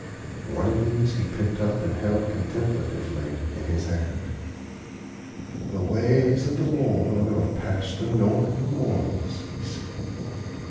One of these he picked up and held contemplatively in his hand. "The ways of the Lord are past the knowing of mortals," he said.